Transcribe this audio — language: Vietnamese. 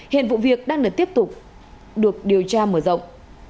hiện vụ việc đang được tiếp tục được điều tra mở rộng